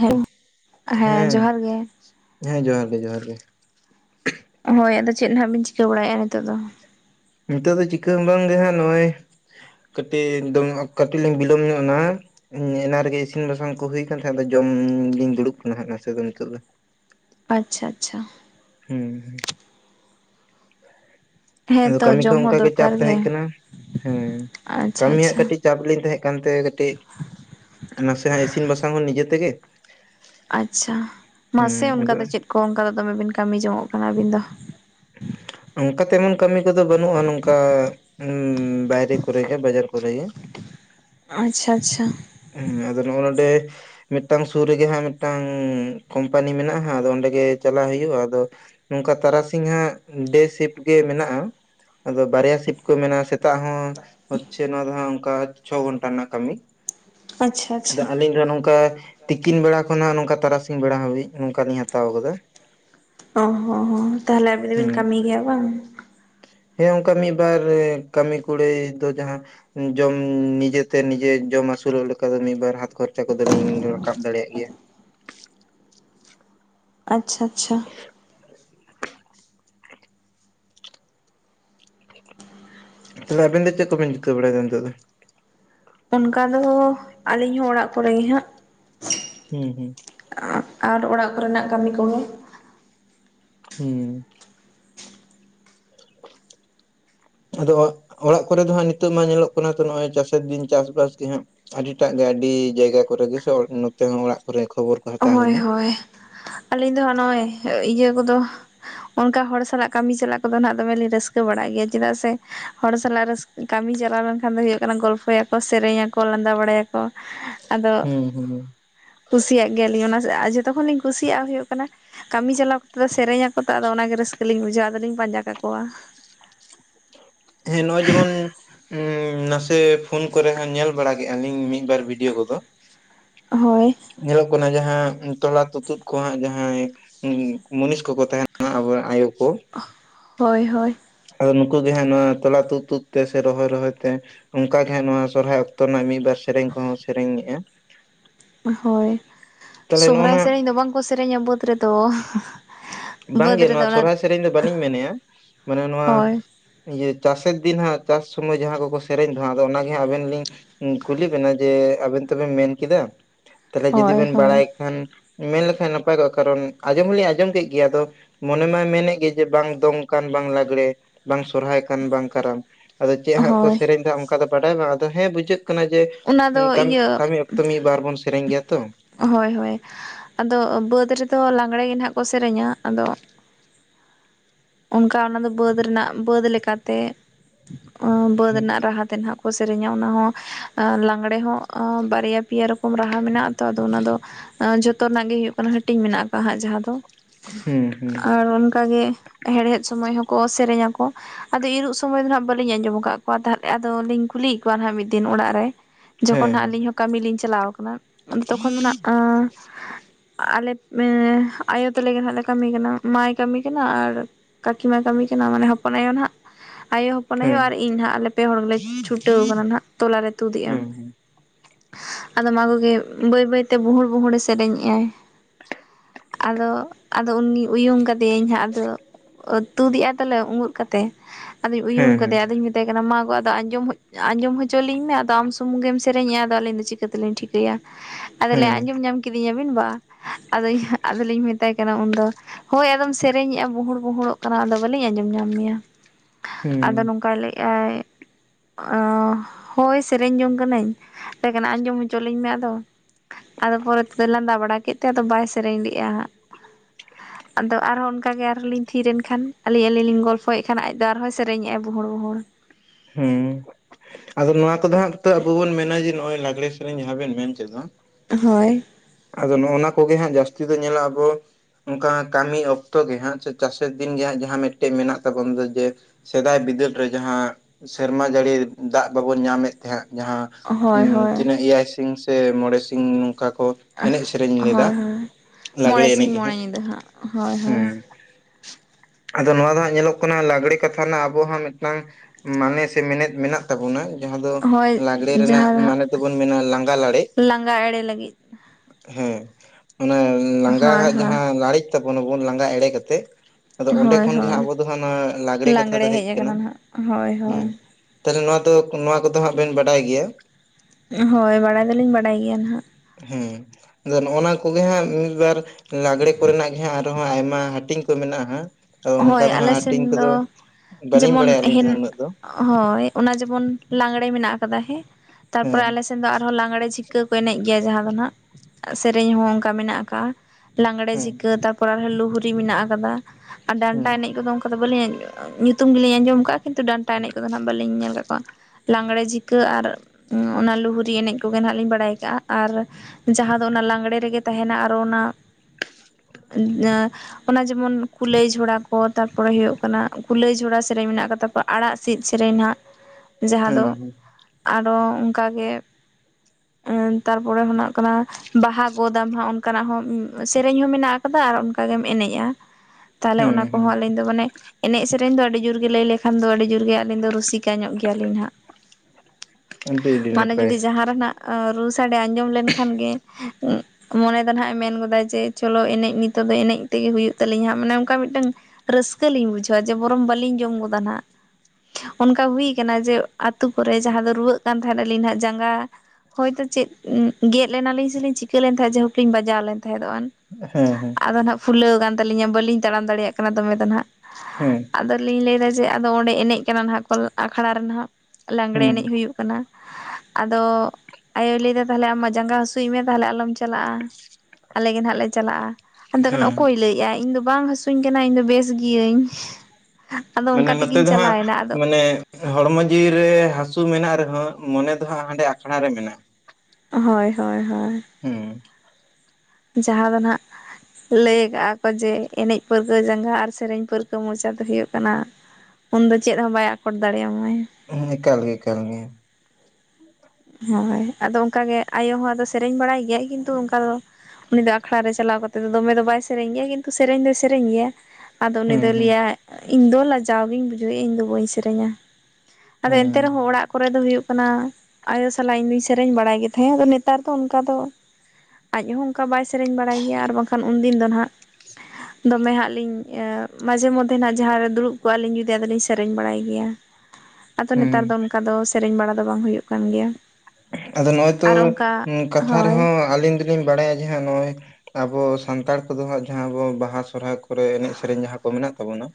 Hello ᱦᱮᱸ ᱡᱚᱦᱟᱨ ᱜᱮ ᱦᱮᱸ ᱡᱚᱦᱟᱨ ᱜᱮ ᱡᱚᱦᱟᱨ ᱜᱮ᱾ ᱦᱳᱭ ᱟᱫᱚ ᱪᱮᱫ ᱱᱟᱦᱟᱜ ᱵᱤᱱ ᱪᱤᱠᱟᱹ ᱵᱟᱲᱟᱭᱮᱜᱼᱟ ᱱᱤᱛᱚᱜ ᱫᱚ? ᱱᱤᱛᱚᱜ ᱫᱚ ᱪᱤᱠᱟᱹ ᱦᱚᱸ ᱵᱟᱝ ᱜᱮ ᱦᱟᱸᱜ ᱱᱚᱜᱼᱚᱭ ᱠᱟᱹᱴᱤᱡ ᱫᱚᱢᱮ ᱠᱟᱹᱴᱤᱡ ᱞᱤᱧ ᱵᱤᱞᱚᱢ ᱧᱚᱜ ᱱᱟᱜ ᱚᱱᱟ ᱨᱮᱜᱮ ᱤᱥᱤᱱ ᱵᱟᱥᱟᱝ ᱠᱚ ᱦᱩᱭ ᱟᱠᱟᱱ ᱛᱟᱦᱮᱸᱫ ᱟᱫᱚ ᱡᱚᱢ ᱞᱤᱧ ᱫᱩᱲᱩᱵ ᱠᱟᱱᱟ ᱦᱜ ᱱᱟᱥᱮ ᱫᱚ ᱱᱤᱛᱚᱜ ᱫᱚ᱾ ᱟᱪᱪᱷᱟ ᱟᱪᱪᱷᱟ᱾ ᱦᱩᱸᱻ ᱟᱫᱚ ᱦᱮᱸᱛᱚ ᱠᱟᱹᱢᱤ ᱠᱚᱦ ᱡᱚᱢ ᱚᱱᱠᱟ ᱦᱚᱸ ᱜᱮ ᱫᱚᱨᱠᱟᱨ ᱪᱟᱯ ᱛᱟᱦᱮᱸ ᱠᱟᱱᱟ ᱦᱮᱸ ᱟᱪᱪᱷᱟ ᱠᱟᱹᱢᱤᱭᱟᱜ ᱟᱪᱪᱷᱟ ᱠᱟᱹᱴᱤᱡ ᱪᱟᱯ ᱞᱤᱧ ᱛᱟᱦᱮᱸ ᱠᱟᱱ ᱛᱟᱦᱮᱸ ᱠᱟᱹᱴᱤᱡ ᱱᱟᱥᱮ ᱤᱥᱤᱱ ᱵᱟᱥᱟᱝ ᱦᱚᱸ ᱱᱤᱡᱮ ᱛᱮᱜᱮ᱾ ᱟᱪᱪᱷᱟ ᱢᱟᱥᱮ ᱦᱮᱸ ᱚᱱᱠᱟ ᱟᱫᱚ ᱫᱚ ᱪᱮᱫ ᱠᱚ ᱚᱱᱠᱟ ᱫᱚ ᱫᱚᱢᱮ ᱵᱤᱱ ᱠᱟᱹᱢᱤ ᱡᱚᱝᱚᱜ ᱠᱟᱱᱟ ᱟᱹᱵᱤᱱ ᱫᱚ? ᱚᱱᱠᱟ ᱛᱮᱢᱚᱱ ᱠᱟᱹᱢᱤ ᱠᱚᱫᱚ ᱵᱟᱹᱱᱩᱜᱼᱟ ᱱᱚᱝᱠᱟ ᱩᱢ ᱵᱟᱭᱨᱮ ᱠᱚᱨᱮ ᱜᱮ ᱵᱟᱡᱟᱨ ᱠᱚᱨᱮ ᱜᱮ᱾ ᱟᱪᱪᱷᱟ ᱟᱪᱪᱷᱟ᱾ ᱦᱮᱸ ᱟᱫᱚ ᱱᱚ ᱱᱚᱰᱮ ᱢᱤᱫᱴᱟᱝ ᱥᱩᱨ ᱨᱮᱜᱮ ᱦᱟᱜ ᱢᱤᱫᱴᱟᱝ ᱠᱳᱢᱯᱟᱱᱤ ᱢᱮᱱᱟᱜᱼᱟ ᱟᱫᱚ ᱚᱱᱰᱮᱜ ᱪᱟᱞᱟᱜ ᱦᱩᱭᱩᱜᱼᱟ ᱟᱫᱚ ᱱᱚᱝᱠᱟ ᱛᱟᱨᱟᱥᱤᱧᱦᱟᱜ ᱰᱮ ᱥᱤᱯᱴ ᱜᱮ ᱢᱮᱱᱟᱜᱼᱟ᱾ ᱟᱫᱚ ᱵᱟᱨᱭᱟ ᱥᱤᱯᱴ ᱠᱚ ᱢᱮᱱᱟᱜᱼᱟ ᱥᱮᱛᱟᱜ ᱦᱚᱸ᱾ ᱦᱚᱪᱪᱮᱱᱟ ᱫᱚ ᱚᱱᱠᱟ ᱪᱷᱚ ᱜᱷᱚᱱᱴᱟ ᱨᱮᱱᱟᱜ ᱠᱟᱹᱢᱤ᱾ ᱟᱪᱪᱷᱟ ᱟᱪᱪᱷᱟ ᱟᱫᱚ ᱟᱹᱞᱤᱧ ᱫᱚ ᱱᱚᱝᱠᱟ ᱛᱤᱠᱤᱱ ᱵᱮᱲᱟ ᱠᱷᱚᱱᱟᱜ ᱱᱚᱝᱠᱟ ᱛᱟᱨᱟᱥᱤᱧ ᱵᱮᱲᱟ ᱦᱟᱹᱵᱤᱡ ᱱᱚᱝᱠᱟᱞᱤᱤᱧ ᱦᱟᱛᱟᱣ ᱟᱠᱟᱫᱟ᱾ ᱚ ᱦᱚᱸ ᱛᱟᱦᱞᱮ ᱟᱵᱤᱱ ᱫᱚᱵᱤᱱ ᱦᱮᱸ ᱠᱟᱹᱢᱤ ᱜᱮᱭᱟ ᱵᱟᱝ? ᱦᱮᱸ ᱚᱱᱠᱟ ᱢᱤᱫ ᱵᱟᱨ ᱠᱟᱹᱢᱤ ᱠᱩᱲᱟᱹᱭ ᱫᱚ ᱡᱟᱦᱟᱸ ᱡᱚᱢ ᱱᱤᱡᱮᱛᱮ ᱱᱤᱡᱮ ᱡᱚᱢ ᱟᱹᱥᱩᱞᱚᱜ ᱞᱮᱠᱟ ᱫᱚ ᱢᱤᱫᱵᱟᱨ ᱦᱟᱛ ᱠᱷᱚᱨᱪᱟ ᱠᱚᱫᱚᱞᱤᱧ ᱨᱟᱠᱟᱵ ᱫᱟᱲᱮᱭᱟᱜ ᱜᱮᱭᱟ᱾ ᱟᱪᱪᱷᱟ ᱟᱪᱪᱷᱟ᱾ ᱛᱟᱞᱦᱮ ᱟᱵᱤᱱ ᱫᱚ ᱪᱮᱫ ᱠᱚᱵᱤᱱ ᱪᱤᱠᱟᱹ ᱵᱟᱲᱟᱭ ᱫᱟ ᱱᱤᱛᱚᱜ ᱫᱚ? ᱚᱱᱠᱟ ᱫᱚ ᱟᱞᱤᱧ ᱦᱚᱸ ᱚᱲᱟᱜ ᱠᱚᱨᱮᱜ ᱜᱮ ᱦᱟᱸᱜ᱾ ᱦᱩᱸ ᱦᱩᱸ᱾ ᱟᱨ ᱚᱲᱟᱜ ᱠᱚᱨᱮᱱᱟᱜ ᱠᱟᱹᱢᱤ ᱠᱚ᱾ ᱦᱩᱸ᱾ ᱟᱫᱚ ᱚᱲᱟᱜ ᱠᱚᱨᱮ ᱫᱚ ᱦᱟᱸᱜ ᱱᱤᱛᱚᱜ ᱢᱟ ᱧᱮᱞᱚᱜ ᱠᱟᱱᱟ ᱛᱚ ᱱᱚᱜᱚᱭ ᱪᱟᱥᱮᱫ ᱫᱤᱱ ᱪᱟᱥᱵᱟᱥ ᱜᱮᱦᱟᱸᱜ᱾ ᱟᱹᱰᱤᱴᱟᱜ ᱜᱮ ᱟᱹᱰᱤ ᱡᱟᱭᱜᱟ ᱠᱚᱨᱮ ᱜᱮ ᱥᱮ ᱱᱚᱛᱮ ᱦᱚᱸ ᱚᱲᱟᱜ ᱠᱚᱨᱮ ᱠᱷᱚᱵᱚᱨ ᱠᱚ ᱦᱟᱛᱟᱣ ᱦᱳᱭ ᱦᱩᱭᱱᱟ ᱦᱳᱭ ᱟᱹᱞᱤᱧ ᱫᱚ ᱱᱚᱜᱼᱚᱭ ᱤᱭᱟᱹ ᱠᱚᱫᱚ ᱚᱱᱠᱟ ᱦᱚᱲ ᱥᱟᱞᱟᱜ ᱠᱟᱹᱢᱤ ᱪᱟᱞᱟᱜ ᱠᱚᱫᱚ ᱱᱟᱦᱚᱜ ᱫᱚᱢᱮᱞᱤᱧ ᱨᱟᱹᱥᱠᱟᱹ ᱵᱟᱲᱟᱜ ᱜᱮᱭᱟ ᱥᱮ ᱦᱚᱲ ᱥᱟᱞᱟᱜ ᱨᱟᱹᱥ ᱠᱟᱹᱢᱤ ᱪᱟᱞᱟᱣ ᱞᱮᱱᱠᱷᱟᱱ ᱫᱚ ᱦᱩᱭᱩᱜ ᱠᱟᱱᱟ ᱜᱚᱞᱯᱷᱚᱭᱟᱠᱚ ᱥᱮᱨᱮᱧᱟᱠᱚ ᱞᱟᱸᱫᱟ ᱵᱟᱲᱟᱭᱟᱠᱚ᱾ ᱟᱫᱚ ᱦᱩᱸ ᱦᱩᱸ᱾ ᱠᱩᱥᱤᱭᱟᱜ ᱜᱮᱭᱟᱞᱤᱧ ᱚᱱᱟ ᱡᱚᱛᱚᱠᱷᱚᱱ ᱞᱤᱧ ᱠᱩᱥᱤᱭᱟᱜᱼᱟ ᱦᱩᱭᱩᱜ ᱠᱟᱱᱟ ᱠᱟᱹᱢᱤ ᱪᱟᱞᱟᱣ ᱠᱟᱛᱮᱫ ᱫᱚ ᱥᱮᱨᱮᱧ ᱟᱠᱚ ᱛᱚ ᱟᱫᱚ ᱚᱱᱟᱜ ᱜᱮ ᱨᱟᱹᱥᱠᱟᱹ ᱞᱤᱧ ᱵᱩᱡᱷᱟᱹᱣᱟ ᱟᱫᱚᱞᱤᱧ ᱯᱟᱸᱡᱟ ᱠᱟᱠᱚᱣᱟ᱾ [inaudible] ᱦᱮᱸ ᱱᱚᱜᱼᱚᱭ ᱡᱮᱢᱚᱱ ᱱᱟᱥᱮ ᱯᱷᱳᱱ ᱠᱚᱨᱮ ᱦᱚᱸ ᱧᱮᱞ ᱵᱟᱲᱟ ᱠᱮᱫᱼᱟ ᱞᱤᱧ ᱢᱤᱫᱵᱟᱨ ᱵᱷᱤᱰᱭᱳ ᱠᱚᱫᱚ᱾᱾ ᱦᱳᱭ᱾ ᱧᱮᱞᱚᱜ ᱠᱟᱱᱟ ᱡᱟᱦᱟᱸ ᱛᱚᱞᱟ ᱛᱩᱛᱩᱫ ᱠᱚ ᱦᱟᱸᱜ ᱡᱟᱦᱟᱸᱭ ᱢᱩᱱᱤᱥ ᱠᱚᱠᱚ ᱛᱟᱦᱮᱱᱟ ᱟᱵᱚᱨᱮᱱ ᱟᱭᱚ ᱠᱚ᱾ ᱦᱳᱭ ᱦᱳᱭ᱾ ᱟᱫᱚ ᱱᱩᱠᱩ ᱜᱮ ᱦᱟᱜ ᱱᱚᱣᱟ ᱛᱚᱞᱟ ᱛᱩᱫ ᱛᱩᱫ ᱛᱮ ᱥᱮ ᱨᱚᱦᱚᱭ ᱨᱚᱦᱚᱭ ᱛᱮ᱾ ᱚᱱᱠᱟᱜᱮ ᱦᱟᱸᱜ ᱱᱚᱣᱟ ᱥᱚᱨᱦᱟᱭ ᱚᱠᱛᱚ ᱨᱮᱱᱟᱜ ᱢᱤᱫᱵᱟᱨ ᱥᱮᱨᱮᱧ ᱠᱚᱦᱚᱸ ᱥᱮᱨᱮᱧᱮᱜᱼᱟ᱾ ᱦᱳᱭ ᱛᱟᱦᱚᱞᱮ ᱱᱚᱜᱼᱚ ᱥᱚᱦᱨᱟᱭ ᱱᱟ ᱥᱮᱨᱮᱧ ᱫᱚ ᱵᱟᱝᱠᱚ ᱥᱮᱨᱮᱧᱟ ᱵᱟᱹᱫᱽ ᱨᱮᱫᱚ᱾ ᱵᱟᱹᱫᱽ ᱵᱟᱝᱜᱮ ᱨᱮᱫᱚ ᱱᱚᱣᱟ ᱚᱱᱟ ᱥᱚᱨᱦᱟᱭ ᱥᱮᱨᱮᱧ ᱫᱚ ᱵᱟᱹᱞᱤᱧ ᱢᱮᱱᱮᱫᱼᱟ ᱢᱟᱱᱮ ᱱᱚᱣᱟ ᱦᱳᱭ ᱤᱭᱟᱹ ᱪᱟᱥᱮᱫ ᱫᱤᱱ ᱦᱟᱸᱜ ᱪᱟᱥ ᱥᱚᱢᱚᱭ ᱡᱟᱦᱟᱸ ᱠᱚᱠᱚ ᱥᱮᱨᱮᱧ ᱫᱚ ᱦᱟᱸᱜ ᱟᱫᱚ ᱚᱱᱟ ᱜᱮ ᱦᱟᱸᱜ ᱟᱵᱮᱱ ᱞᱤᱧ ᱠᱩᱞᱤ ᱵᱮᱱᱟ ᱡᱮ ᱟᱵᱮᱱ ᱛᱚᱵᱮᱱ ᱢᱮᱱ ᱠᱮᱫᱟ ᱛᱟᱦᱚᱞᱮ ᱡᱩᱫᱤ ᱦᱳᱭ ᱵᱮᱱ ᱦᱳᱭ ᱵᱟᱲᱟᱭ ᱠᱷᱟᱱ ᱢᱮᱱ ᱞᱮᱠᱷᱟᱱ ᱱᱟᱯᱟᱭ ᱠᱚᱜᱼᱟ ᱠᱟᱨᱚᱱ ᱟᱸᱚᱢ ᱦᱚᱸᱞᱤᱧ ᱟᱸᱚᱢ ᱠᱮᱫᱼᱼ ᱜᱮ ᱟᱫᱚ ᱢᱚᱱᱮ ᱢᱟᱭ ᱢᱮᱱᱮᱫ ᱜᱮ ᱡᱮ ᱵᱟᱝ ᱫᱚᱝ ᱠᱟᱱ ᱵᱟᱝ ᱞᱟᱜᱽᱲᱮ ᱵᱟᱝ ᱥᱚᱨᱦᱟᱭ ᱠᱟᱱ ᱵᱟᱝ ᱠᱟᱨᱟᱢ। ᱟᱫᱚ ᱪᱮᱫ ᱦᱟᱸᱜ ᱠᱚ ᱦᱳᱭ ᱥᱮᱨᱮᱧᱮᱫᱟ ᱚᱱᱠᱟ ᱫᱚ ᱵᱟᱰᱟᱭ ᱵᱟᱝ ᱟᱫᱚ ᱦᱮᱸ ᱵᱩᱡᱷᱟᱹᱜ ᱠᱟᱱᱟ ᱡᱮ ᱚᱱᱟ ᱦᱩᱸ ᱫᱚ ᱠᱟᱢ ᱤᱭᱟᱹ ᱠᱟᱹᱢᱤ ᱚᱠᱛᱚ ᱢᱤᱫᱵᱟᱨ ᱵᱚᱱ ᱥᱮᱨᱮᱧ ᱜᱮᱭᱟ ᱛᱚ। ᱦᱳᱭ ᱦᱳᱭ ᱟᱫᱚ ᱵᱟᱹᱫᱽ ᱨᱮᱫᱚ ᱞᱟᱜᱽᱲᱮ ᱜᱮ ᱱᱟᱦᱟᱜ ᱠᱚ ᱥᱮᱨᱮᱧᱟ ᱟᱫᱚᱼᱼ ᱚᱱᱠᱟ ᱚᱱᱟ ᱫᱚ ᱵᱟᱹᱫᱽ ᱨᱮᱱᱟᱜ ᱵᱟᱹᱫᱽ ᱞᱮᱠᱟᱛᱮ ᱵᱟᱹᱫᱽ ᱦᱩᱸ ᱨᱮᱱᱟᱜ ᱨᱟᱦᱟᱼᱼ ᱛᱮ ᱱᱟᱦᱟᱜ ᱠᱚ ᱥᱮᱨᱮᱧᱟ ᱚᱱᱟ ᱦᱚᱸ ᱞᱟᱜᱽᱲᱮ ᱦᱚᱸ ᱵᱟᱨᱭᱟ ᱯᱮᱭᱟ ᱨᱚᱠᱚᱢ ᱨᱟᱦᱟ ᱢᱮᱱᱟᱜᱼᱟᱼᱼ ᱛᱚ ᱟᱫᱚ ᱚᱱᱟ ᱫᱚ ᱡᱷᱚᱛᱚ ᱨᱮᱱᱟᱜ ᱜᱮ ᱦᱩᱭᱩᱜ ᱠᱟᱱᱟ ᱦᱟᱹᱴᱤᱧ ᱢᱮᱱᱟᱜ ᱦᱟᱠᱟᱫᱟ ᱡᱟᱦᱟᱸ ᱫᱚ ᱦᱩᱸ ᱟᱨ ᱚᱱᱠᱟᱜ ᱜᱮ ᱦᱮᱲᱦᱮᱫ ᱥᱚᱢᱚᱭ ᱦᱚᱸᱠᱚ ᱥᱮᱨᱮᱧᱟ ᱠᱚ। ᱟᱫᱚ ᱤᱨᱚᱜ ᱥᱚᱢᱚᱭ ᱫᱚ ᱦᱟᱸᱜ ᱵᱟᱹᱞᱤᱧ ᱟᱸᱡᱚᱢ ᱟᱠᱟᱫ ᱠᱚᱣᱟ ᱛᱟᱦᱚᱞᱮ ᱟᱫᱚ ᱞᱤᱧ ᱠᱩᱞᱤ ᱮᱫ ᱠᱚᱣᱟ ᱦᱟᱸᱜ ᱢᱤᱫ ᱫᱤᱱ ᱚᱲᱟᱜ ᱨᱮ ᱦᱮᱸ ᱡᱚᱠᱷᱚᱱ ᱦᱟᱜ ᱟᱹᱞᱤᱧ ᱦᱚᱸ ᱠᱟᱹᱢᱤ ᱞᱤᱧ ᱪᱟᱞᱟᱣ ᱟᱠᱟᱱᱟ ᱛᱚᱠᱷᱚᱱ ᱫᱚ ᱱᱟᱦᱟᱜ ᱟᱞᱮᱼᱼ ᱟᱭᱳ ᱛᱟᱞᱮ ᱜᱮ ᱱᱟᱦᱟᱜ ᱞᱮ ᱠᱟᱹᱢᱤ ᱠᱟᱱᱟ ᱢᱟᱭ ᱠᱟᱹᱢᱤ ᱠᱟᱱᱟ ᱟᱨᱼᱼ ᱠᱟᱹᱠᱤᱢᱟ ᱠᱟᱹᱢᱤ ᱠᱟᱱᱟ ᱢᱟᱱᱮ ᱦᱚᱯᱚᱱ ᱟᱭᱳ ᱱᱟᱦᱟᱜ ᱟᱭᱳ ᱦᱮᱸ ᱦᱚᱯᱚᱱ ᱟᱭᱳ ᱦᱮᱸ ᱟᱨᱼᱼ ᱤᱧ ᱦᱟᱸᱜ ᱟᱞᱮ ᱯᱮ ᱦᱚᱲ ᱜᱮᱞᱮ ᱪᱷᱩᱴᱟᱹᱣ ᱟᱠᱟᱱᱟ ᱱᱟᱦᱟᱜ ᱛᱚᱞᱟ ᱞᱮ ᱛᱩᱫᱮᱜᱼᱟ᱾ ᱦᱮᱸ ᱟᱫᱚ ᱢᱟ ᱜᱚᱜᱮ ᱵᱟᱹᱭ ᱵᱟᱹᱭᱛᱮ ᱵᱩᱦᱩᱲ ᱵᱩᱦᱩᱲᱮ ᱥᱮᱨᱮᱧᱮᱜᱼ ᱟᱭ ᱟᱫᱚ ᱟᱫᱚ ᱩᱱ ᱜᱤᱧ ᱩᱭᱩᱝ ᱠᱟᱫᱮᱭᱟᱹᱧ ᱦᱟᱸᱜ ᱟᱫᱚ। ᱛᱩᱫᱮᱜᱟᱭ ᱛᱟᱦᱚᱞᱮ ᱩᱜᱩᱫ ᱠᱟᱛᱮᱫ ᱟᱫᱚᱧ ᱦᱮᱸ ᱩᱭᱩᱝ ᱦᱮᱸ ᱠᱟᱫᱮᱭᱟ ᱟᱫᱚᱧ ᱢᱮᱛᱟᱭ ᱠᱟᱱᱟ ᱢᱟ ᱜᱚ ᱟᱫᱚ ᱟᱸᱡᱚᱢᱼᱼ ᱟᱸᱡᱚᱢ ᱦᱚᱪᱚ ᱞᱤᱧ ᱢᱮ ᱟᱫᱚ ᱟᱢ ᱥᱩᱢᱩᱝ ᱜᱮᱢ ᱥᱮᱨᱮᱧᱮᱜᱼᱟ ᱟᱫᱚ ᱟᱹᱞᱤᱧ ᱫᱚ ᱪᱤᱠᱟᱹ ᱛᱮᱞᱤᱧ ᱴᱷᱤᱠᱟᱹᱭᱟ। ᱟᱚᱭ ᱞᱟᱹᱭ ᱦᱮᱸ ᱟᱸᱡᱚᱢ ᱧᱟᱢᱼᱼ ᱠᱤᱫᱤᱧᱟᱵᱤᱱ ᱵᱟ ᱟᱫᱚ ᱟᱫᱚᱞᱤᱧ ᱢᱮᱛᱟᱭ ᱠᱟᱱᱟ ᱩᱱᱫᱚ ᱦᱳᱭ ᱟᱫᱚᱢ ᱥᱮᱨᱮᱧᱮᱫᱼᱟ ᱵᱩᱦᱩᱲᱼᱼ ᱜᱩᱦᱩᱲᱚᱜ ᱠᱟᱱᱟ ᱟᱫᱚ ᱵᱟᱹᱞᱤᱧ ᱟᱸᱡᱚᱢ ᱧᱟᱢ ᱢᱮᱭᱟ ᱟᱫᱚ ᱦᱩᱸ ᱱᱚᱝᱠᱟᱭ ᱞᱟᱹᱭᱮᱫ ᱟᱭ ᱦᱳᱭ ᱥᱮᱨᱮᱧ ᱡᱚᱝ ᱠᱟᱹᱱᱟᱹᱧ ᱛᱟᱦᱚᱞᱮ ᱠᱷᱟᱱ ᱟᱸᱡᱚᱢ ᱦᱚᱪᱚ ᱞᱤᱧ ᱢᱮ ᱟᱫᱚ। ᱟᱫᱚ ᱯᱚᱨᱮ ᱛᱮᱫᱚ ᱞᱟᱸᱫᱟ ᱵᱟᱲᱟ ᱠᱮᱫ ᱛᱮ ᱟᱫᱚ ᱵᱟᱭ ᱥᱮᱨᱮᱧ ᱞᱮᱫᱼᱟ ᱦᱟᱸᱜ ᱟᱫᱚ ᱟᱨᱦᱚᱸ ᱚᱱᱠᱟ ᱜᱮ ᱟᱨᱦᱚᱸ ᱞᱤᱧ ᱛᱷᱤᱨ ᱮᱱ ᱠᱷᱟᱱ ᱟᱹᱞᱤᱧ ᱟᱹᱞᱤᱧ ᱜᱚᱞᱯᱷᱚᱭᱮᱫ ᱠᱷᱟᱱ ᱟᱡ ᱫᱚ ᱟᱨᱦᱚᱸ ᱥᱮᱨᱮᱧᱮᱫᱼᱟ ᱵᱩᱦᱩᱲ ᱵᱩᱦᱩᱲ। ᱦᱩᱸ ᱟᱫᱚ ᱱᱚᱣᱟ ᱠᱚᱫᱚ ᱦᱟᱸᱜ ᱛᱚ ᱟᱵᱚ ᱵᱚᱱ ᱢᱮᱱᱟ ᱡᱮ ᱱᱚᱜᱼᱚᱭ ᱞᱟᱜᱽᱲᱮ ᱥᱮᱨᱮᱧ ᱡᱟᱦᱟᱸ ᱵᱮᱱ ᱢᱮᱱ ᱠᱮᱫᱟ ᱦᱳᱭ ᱟᱫᱚ ᱱᱚᱜᱼᱱᱟ ᱠᱚᱜᱮ ᱦᱟᱸᱜ ᱡᱟᱹᱥᱛᱤ ᱫᱚ ᱧᱮᱞᱟ ᱟᱵᱚᱼᱼ ᱚᱱᱠᱟ ᱠᱟᱹᱢᱤ ᱚᱠᱛᱚ ᱜᱮ ᱦᱟᱸᱜ ᱥᱮ ᱪᱟᱥᱮᱨ ᱫᱤᱱ ᱜᱮ ᱦᱟᱸᱜ ᱡᱟᱦᱟᱸ ᱢᱤᱫᱴᱮᱡ ᱢᱮᱱᱟᱜ ᱛᱟᱵᱚᱱ ᱫᱚ ᱡᱮ ᱥᱮᱫᱟᱭ ᱵᱤᱫᱟᱹᱞ ᱨᱮ ᱡᱟᱦᱟᱸ ᱥᱮᱨᱢᱟ ᱡᱟᱹᱲᱤ ᱫᱟᱜ ᱵᱟᱵᱚᱱ ᱧᱟᱢᱮᱫ ᱛᱟᱦᱮᱸᱫ ᱡᱟᱦᱟᱸ ᱦᱳᱭ ᱦᱳᱭ ᱛᱤᱱᱟᱹᱜ ᱮᱭᱟᱭ ᱥᱤᱧ ᱥᱮ ᱢᱚᱬᱮ ᱥᱤᱧ ᱚᱱᱠᱟ ᱠᱚ ᱮᱱᱮᱡ ᱥᱮᱨᱮᱧ ᱦᱳᱭ ᱞᱮᱫᱟ ᱦᱳᱭ ᱢᱚᱬᱮ ᱞᱟᱜᱽᱲᱮ ᱮᱱᱮᱡ ᱥᱤᱧ ᱜᱮ ᱢᱚᱬᱮ ᱧᱤᱫᱟᱹ ᱦᱟᱸᱜ ᱦᱳᱭ ᱦᱳᱭ ᱦᱮᱸ [unintelligible] ᱟᱫᱚ ᱱᱚᱣᱟ ᱫᱚ ᱦᱟᱸᱜ ᱧᱮᱞᱚᱜ ᱠᱟᱱᱟ ᱞᱟᱜᱽᱲᱮ ᱠᱟᱛᱷᱟ ᱨᱮᱱᱟᱜ ᱟᱵᱚ ᱦᱚᱸ ᱢᱤᱫᱴᱟᱝ ᱢᱟᱱᱮ ᱥᱮ ᱢᱮᱱᱮᱫ ᱢᱮᱱᱟᱜᱼᱼ ᱛᱟᱵᱚᱱᱟ ᱡᱟᱦᱟᱸ ᱫᱚ ᱦᱳᱭ ᱞᱟᱜᱽᱲᱮ ᱨᱮᱱᱟ ᱡᱟᱦᱟᱸ ᱦᱟᱸᱜ ᱢᱮᱱᱟ ᱫᱚᱵᱚᱱ ᱢᱮᱱᱟ ᱞᱟᱸᱜᱟ ᱞᱟᱲᱮᱡ ᱞᱟᱸᱜᱟ ᱮᱲᱮ ᱞᱟᱹᱜᱤᱫ ᱦᱮᱸ ᱚᱱᱟ ᱞᱟᱸᱜᱟ ᱦᱳᱭ ᱦᱳᱭ ᱡᱟᱦᱟᱸ ᱞᱟᱲᱮᱡ ᱛᱟᱵᱚ ᱱᱟᱵᱚ ᱡᱟᱦᱟᱸ ᱞᱟᱸᱜᱟ ᱮᱲᱮ ᱠᱟᱛᱮᱫ ᱟᱫᱚ ᱚᱱᱰᱮ ᱦᱳᱭ ᱠᱷᱚᱱ ᱜᱮ ᱦᱳᱭ ᱦᱟᱸᱜ ᱟᱵᱚ ᱫᱚ ᱦᱟᱸᱜ ᱱᱚᱣᱟ ᱞᱟᱜᱽᱲᱮ ᱠᱟᱛᱷᱟ ᱫᱚ ᱦᱮᱡ ᱠᱟᱱᱟ ᱟᱠᱟᱱᱟ ᱱᱟᱦᱟᱜ ᱦᱳᱭ ᱦᱳᱭ ᱦᱮᱸ ᱛᱟᱦᱚᱞᱮ ᱱᱚᱣᱟ ᱫᱚ ᱱᱚᱣᱟ ᱠᱚᱫᱚ ᱦᱟᱸᱜ ᱵᱮᱱ ᱵᱟᱰᱟᱭ ᱜᱮᱭᱟ? ᱦᱳᱭ ᱵᱟᱲᱟᱭ ᱫᱚᱞᱤᱧ ᱵᱟᱰᱟᱭ ᱜᱮᱭᱟ ᱱᱟᱦᱟᱜ। ᱦᱩᱸ ᱟᱫᱚ ᱱᱚᱜᱼᱱᱟ ᱠᱚᱜᱮ ᱦᱟᱸᱜ ᱢᱤᱫᱵᱟᱨ ᱞᱟᱜᱽᱲᱮ ᱠᱚᱨᱮᱱᱟᱜ ᱜᱮ ᱦᱟᱸᱜ ᱟᱨᱦᱚᱸ ᱟᱭᱢᱟ ᱦᱟᱹᱴᱤᱧ ᱠᱚ ᱢᱮᱱᱟᱜᱼᱟ ᱦᱟᱸᱜ ᱛᱚ ᱚᱱᱠᱟ ᱦᱳᱭ ᱫᱚ ᱟᱞᱮ ᱦᱟᱸᱜ ᱥᱮᱱ ᱦᱟᱴᱤᱝ ᱫᱚ ᱠᱚᱫᱚ ᱵᱟᱹᱞᱤᱧ ᱡᱮᱢᱚᱱ ᱵᱟᱲᱟᱭᱟ ᱟᱹᱞᱤᱧ ᱫᱚᱦᱟᱸᱜ ᱦᱮᱱ ᱩᱱᱟᱹᱜ ᱫᱚ ᱦᱳᱭ ᱚᱱᱟ ᱡᱮᱢᱚᱱ ᱞᱟᱜᱽᱲᱮ ᱢᱮᱱᱟᱜ ᱟᱠᱟᱫᱟ ᱦᱮᱸ ᱛᱟᱨᱯᱚᱨᱮ ᱦᱮᱸ ᱟᱞᱮ ᱥ ᱮᱫᱽ ᱫᱚ ᱟᱨᱦᱚᱸ ᱞᱟᱜᱽᱬᱮ ᱪᱷᱤᱠᱟᱹ ᱠᱚ ᱮᱱᱮᱡᱽ ᱜᱮᱭᱟ ᱡᱟᱦᱟᱸ ᱫᱚ ᱦᱟᱜ ᱥᱮᱨᱮᱧ ᱦᱚᱸ ᱚᱱᱠᱟ ᱢᱮᱱᱟᱜ ᱟᱠᱟᱜ-ᱟ᱾ ᱞᱟᱝᱜᱬᱮ ᱦᱮᱸ ᱡᱷᱤᱠᱟᱹ ᱛᱟᱨᱯᱚᱨᱮ ᱟᱨᱦᱚᱸ ᱞᱩᱦᱨᱤ ᱢᱮᱱᱟᱜ ᱟᱠᱟᱫᱟ ᱟᱨ ᱰᱟᱱᱴᱟ ᱦᱮᱸ ᱮᱱᱮᱡᱽ ᱠᱚᱫᱚ ᱚ ᱠᱟᱫᱚ ᱵᱟᱹᱞᱤᱧ ᱟᱸᱧ, ᱧᱩᱛᱩᱢ ᱜᱮᱞᱤᱧ ᱟᱸᱡᱚᱢ ᱠᱟᱜᱼᱟ ᱠᱤᱱᱛᱩ ᱰᱟᱱᱴᱟ ᱮᱱᱮᱡ ᱠᱚᱫᱚ ᱱᱦᱟᱜ ᱵᱟᱹᱞᱤᱧ ᱧᱮᱞ ᱠᱟᱫ ᱠᱚᱣᱟ᱾ ᱞᱟᱝᱜᱲᱮ ᱡᱷᱤᱠᱟᱹ ᱟᱨ ᱚᱱᱟ ᱞᱩᱦᱨᱤ ᱮᱱᱮᱡᱽ ᱠᱚᱜᱮ ᱱᱦᱟᱜ ᱞᱤᱧ ᱵᱟᱲᱟᱭ ᱠᱟᱜᱼᱟ ᱟᱨ ᱡᱟᱦᱟᱸ ᱫᱚ ᱚᱱᱟ ᱞᱟᱝᱜᱲᱮ ᱨᱮᱜᱮ ᱛᱟᱦᱮᱱᱟ ᱟᱨᱚ ᱚᱱᱟ ᱡᱮ ᱚᱱᱟ ᱡᱮᱢᱚᱱ᱾ ᱠᱩᱞᱟᱹᱭ ᱡᱷᱚᱲᱟ ᱠᱚ ᱛᱟᱨᱯᱚᱨᱮ ᱦᱩᱭᱩᱜ ᱠᱩᱞᱟᱹᱭ ᱡᱷᱚᱲᱟ ᱠᱚ ᱛᱟᱨ ᱯᱚᱨᱮ ᱦᱩᱭᱩᱜ ᱠᱟᱱᱟ ᱠᱩᱲᱟᱹᱭ ᱡᱦᱚᱲᱟ ᱥᱮᱨᱮᱧ ᱢᱮᱱᱟᱜ ᱟᱠᱟᱫᱟ ᱛᱚ ᱟᱲᱟᱜ ᱥᱤᱫ ᱥᱮᱨᱮᱧ ᱱᱦᱟᱸᱜ᱾ ᱡᱟᱦᱟᱸ ᱫᱚ ᱦᱮᱸ ᱟᱨᱚ ᱚᱱᱠᱟᱜᱮ ᱛᱟᱨᱯᱚᱨᱮ ᱢᱮᱱᱟᱜ ᱠᱟᱱᱟ᱾ ᱵᱟᱦᱟ ᱜᱚᱫᱟᱢ ᱦᱟᱸᱜ ᱚᱱᱠᱟᱱᱟᱜ ᱦᱚᱸ ᱥᱮᱨᱮᱧ ᱦᱚᱸ ᱢᱮᱱᱟᱜ ᱟᱠᱟᱫᱟ ᱟᱨ ᱚᱱᱠᱟ ᱜᱮᱢ ᱮᱱᱮᱡᱽᱼᱟ᱾ ᱛᱟᱦᱚᱞᱮ ᱦᱮᱸ ᱚᱱᱟ ᱦᱮᱸ ᱠᱚᱦᱚᱸ ᱟᱹᱞᱤᱧ ᱫᱚ ᱢᱟᱱᱮ ᱮᱱᱮᱡ ᱥᱮᱨᱮᱧ ᱫᱚ ᱟᱹᱰᱤ ᱡᱳᱨ ᱜᱮ ᱞᱟᱹᱭ ᱞᱮᱠᱷᱟᱱ ᱫᱚ ᱟᱹᱰᱤ ᱡᱳᱨ ᱜᱮ ᱟᱹᱞᱤᱧ ᱫᱚ ᱨᱩᱥᱤ ᱠᱟᱹ ᱧᱚᱜ ᱜᱮᱭᱟᱞᱤᱧ ᱱᱦᱟᱸᱜ ᱟᱹᱰᱤ ᱟᱹᱰᱤ ᱢᱟᱱᱮ ᱱᱟᱯᱟᱭ ᱡᱩᱫᱤ ᱡᱟᱦᱟᱸ ᱨᱮ ᱱᱦᱟᱜ ᱨᱩ ᱥᱟᱰᱮ ᱟᱸᱡᱚᱢ ᱞᱮᱱᱠᱷᱟᱱ ᱜᱮ᱾ ᱢᱚᱱᱮ ᱫᱚ ᱦᱟᱸᱜ ᱮ ᱢᱮᱱ ᱜᱚᱫᱟ ᱡᱮ ᱪᱚᱞᱚ ᱮᱱᱮᱡᱽ ᱱᱤᱛᱚᱜ ᱫᱚ ᱮᱱᱮᱡᱽ ᱛᱮᱜᱮ ᱦᱩᱭᱩᱜ ᱛᱟᱹᱟᱞᱤᱧᱟ ᱦᱟᱸᱜ ᱢᱟᱱᱮ ᱚᱱᱠᱟ ᱢᱤᱫᱴᱟᱝ ᱨᱟᱹᱥᱠᱟᱹ ᱞᱤᱧ ᱵᱩᱡᱷᱟᱹᱣᱟ ᱡᱮ ᱵᱚᱨᱚᱢ ᱵᱟᱹᱞᱤᱧ ᱡᱚᱢ ᱜᱚᱫᱟ ᱱᱦᱟᱸᱜ᱾ ᱚᱱᱠᱟ ᱦᱩᱭ ᱟᱠᱟᱱᱟ ᱡᱮ ᱟᱹᱛᱩ ᱠᱚᱨᱮ ᱡᱟᱦᱟᱸ ᱫᱚ ᱨᱩᱣᱟᱹᱜ ᱠᱟᱱ ᱛᱟᱦᱮᱫᱽ ᱟᱹᱞᱤᱧ ᱱᱦᱟᱜ ᱡᱟᱸᱜᱟ ᱦᱳᱭᱛᱚ ᱪᱮᱫ ᱜᱮᱫ ᱞᱮᱱᱟ ᱥᱤᱞᱤᱧ ᱪᱤᱠᱟᱹ ᱞᱮᱱ ᱛᱟᱦᱮᱸᱫᱽ ᱡᱟᱦᱳᱠᱞᱤᱧ ᱵᱟᱡᱟᱣ ᱞᱮᱱ ᱛᱟᱦᱮᱸᱫᱚᱜ ᱟᱱ᱾ ᱦᱮᱸ ᱦᱮᱸ ᱟᱫᱚ ᱱᱦᱟᱸᱜ ᱯᱷᱩᱞᱟᱹᱣ ᱟᱠᱟᱱ ᱛᱟᱹᱞᱤᱧᱟ ᱵᱟᱹᱞᱤᱧ ᱛᱟᱲᱟᱢ ᱫᱟᱲᱮᱭᱟᱜ ᱠᱟᱱᱟ ᱫᱚᱢᱮ ᱫᱚ ᱱᱦᱟᱸᱜ᱾ ᱦᱮᱸ᱾ ᱟᱫᱚᱞᱤᱧ ᱞᱟᱹᱭ ᱮᱫᱟ ᱡᱮ ᱟᱫᱚ ᱚᱸᱰᱮ ᱮᱱᱮᱡ ᱠᱟᱱᱟ ᱱᱟᱜ ᱠᱚ ᱟᱠᱷᱲᱟ ᱨᱮ ᱱᱟᱜ ᱞᱟᱝᱜᱲᱮ ᱦᱮᱸ ᱮᱱᱮᱡᱽ ᱦᱩᱭᱩᱜ ᱠᱟᱱᱟ, ᱟᱫᱚ ᱟᱭᱳᱭ ᱞᱟᱹᱭᱫᱟ ᱛᱟᱦᱚᱞᱮ ᱟᱢ-ᱢᱟ ᱡᱟᱸᱜᱟ ᱦᱟᱹᱥᱩᱭᱮᱫᱽ ᱢᱮᱭᱟ ᱛᱟᱦᱚᱞᱮ ᱟᱞᱚᱢ ᱪᱟᱞᱟᱜᱼᱟ, ᱟᱞᱮ ᱜᱮ ᱱᱦᱟᱸᱜ ᱞᱮ ᱪᱟᱞᱟᱜᱼᱟ᱾ ᱢᱮᱛᱟᱜ ᱠᱟᱱᱟ ᱦᱮᱸ ᱚᱠᱚᱭ ᱞᱟᱹᱭᱮᱫᱽᱼᱟᱭ ᱤᱧ ᱫᱚ ᱵᱟᱝ ᱦᱟᱹᱥᱩᱭᱤᱧ ᱠᱟᱱᱟ ᱤᱧ ᱫᱚ ᱵᱮᱥ ᱜᱤᱭᱟᱹᱧ᱾ ᱟᱫᱚ ᱢᱟᱱᱮ ᱚᱱᱠᱟ ᱱᱚᱛᱮ ᱛᱮᱜᱤᱧ ᱫᱚ ᱦᱟᱸᱜ ᱪᱟᱞᱟᱣᱮᱱᱟ ᱟᱫᱚ ᱢᱟᱱᱮ ᱦᱚᱲᱢᱚ ᱡᱤᱣᱤ ᱨᱮ ᱦᱟᱹᱥᱩ ᱢᱮᱱᱟᱜ ᱨᱮᱦᱚᱸ ᱢᱚᱱᱮ ᱫᱚ ᱦᱟᱸᱜ ᱦᱟᱸᱰᱮ ᱟᱠᱷᱲᱟ ᱨᱮ ᱢᱮᱱᱟᱜᱼᱟ᱾ ᱦᱳᱭ-ᱦᱳᱭ-ᱦᱳᱭ᱾ ᱦᱮᱸ᱾ ᱡᱟᱦᱟᱸᱫᱚ ᱱᱦᱟᱜ ᱞᱟᱹᱭ ᱟᱠᱟᱜ ᱟᱠᱚ ᱡᱮ ᱮᱱᱮᱡᱽ ᱯᱟᱹᱨᱠᱟᱹᱣ ᱡᱟᱸᱜᱟ ᱟᱨ ᱥᱮᱨᱮᱧ ᱯᱟᱹᱨᱠᱟᱹᱣ ᱢᱚᱪᱟ ᱫᱚ ᱦᱩᱭᱩᱜ ᱠᱟᱱᱟ ᱩᱱᱫᱚ ᱪᱮᱫ ᱦᱚᱸ ᱵᱟᱭ ᱟᱠᱚᱴ ᱫᱟᱲᱮᱭᱟᱢᱟᱭ᱾ ᱦᱮᱸ ᱮᱠᱟᱞ ᱜᱮ ᱮᱠᱟᱞ ᱜᱮ᱾ ᱦᱳᱭ ᱟᱭᱳ ᱦᱚᱸ ᱟᱫᱚ ᱥᱮᱨᱮᱧ ᱵᱟᱲᱟᱭ ᱜᱮᱭᱟᱭ ᱠᱤᱱᱛᱩ ᱚᱱᱠᱟ ᱫᱚ ᱩᱱᱤ ᱫᱚ ᱟᱠᱷᱲᱟ ᱨᱮ ᱪᱟᱞᱟᱣ ᱠᱟᱛᱮ ᱫᱚ ᱫᱚᱢᱮ ᱫᱚ ᱵᱟᱭ ᱥᱮᱨᱮᱧ ᱜᱮᱭᱟ ᱠᱤᱱᱛᱩ ᱥᱮᱨᱮᱧ ᱫᱚᱭ ᱥᱮᱨᱮᱧ ᱜᱮᱭᱟ᱾ ᱟᱫᱚ ᱩᱱᱤ ᱦᱮᱸ ᱫᱚᱭ ᱦᱮᱸ ᱞᱟᱹᱭᱟ ᱤᱧ ᱫᱚ ᱞᱟᱡᱟᱣ ᱜᱤᱧ ᱵᱩᱡᱦᱟᱸᱣᱮᱜ-ᱟ ᱤᱧ ᱫᱚ ᱵᱟᱹᱧ ᱥᱮᱨᱮᱧᱟ᱾ ᱟᱫᱚ ᱮᱱᱛᱮ ᱦᱮᱸ ᱨᱮᱦᱚᱸ ᱚᱲᱟᱜ ᱠᱚᱨᱮ ᱫᱚ ᱦᱩᱭᱩᱜ ᱠᱟᱱᱟ᱾ ᱟᱭᱳ ᱥᱟᱞᱟᱜ ᱤᱧ ᱫᱚᱧ ᱥᱮᱨᱮᱧ ᱵᱟᱲᱟᱭ ᱜᱮ ᱛᱟᱦᱮᱸᱫ ᱟᱫᱚ ᱱᱮᱛᱟᱨ ᱫᱚ ᱚᱱᱠᱟ ᱫᱚ ᱟᱡ ᱦᱚᱸ ᱚᱱᱠᱟ ᱵᱟᱭ ᱥ ᱮᱨᱮᱧ ᱵᱟᱲᱟᱭ ᱜᱮᱭᱟ ᱟᱨ ᱵᱟᱝᱠᱷᱟᱱ ᱩᱱᱫᱤᱱ ᱫᱚ ᱱᱦᱟᱸᱜ ᱫᱚᱢᱮ ᱦᱟᱸᱜ ᱞᱤᱧ ᱢᱟᱡᱷᱮ ᱢᱚᱫᱽ ᱱᱚᱜ-ᱚᱭ ᱱᱦᱟᱜ ᱡᱟᱦᱟᱸ ᱨᱮ ᱫᱩᱲᱩᱵᱽ ᱠᱚᱜᱼᱟᱞᱤᱧ ᱡᱩᱫᱤ ᱟᱫᱚᱞᱤᱧ ᱥᱮᱨᱮᱧ ᱵᱟᱲᱟᱭ ᱜᱮᱭᱟ ᱟᱫᱚ ᱦᱮᱸ ᱱᱮᱛᱟᱨ ᱫᱚ ᱚᱱᱠᱟ ᱫᱚ ᱥᱮᱨᱮᱧ ᱵᱟᱲᱟ ᱫᱚ ᱵᱟᱝ ᱦᱩᱭᱩᱜ ᱠᱟᱱ ᱜᱮᱭᱟ᱾ ᱟᱫᱚ ᱱᱚᱜᱼᱚᱭ ᱛᱚ ᱟᱨ ᱚᱱᱠᱟ ᱠᱟᱛᱷᱟ ᱦᱳᱭ ᱨᱮᱦᱚᱸ ᱟᱹᱞᱤᱧ ᱫᱚᱞᱤᱧ ᱵᱟᱲᱟᱭᱟ ᱡᱮ ᱦᱟᱸᱜ ᱱᱚᱜᱼᱚᱭ ᱟᱵᱚ ᱥᱟᱱᱛᱟᱲ ᱠᱚᱫᱚ ᱦᱟᱸᱜ ᱡᱟᱦᱟᱸ ᱵᱚ ᱵᱟᱦᱟ ᱥᱚᱦᱨᱟᱭ ᱠᱚᱨᱮ ᱮᱱᱮᱡᱽ ᱥᱮᱨᱮᱧ ᱡᱟᱦᱟᱸ ᱠᱚ ᱢᱮᱱᱟᱜ ᱛᱟᱵᱚᱱᱟ᱾